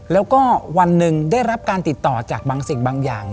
แล้วก็วันหนึ่งได้รับการติดต่อจากบางสิ่งบางอย่าง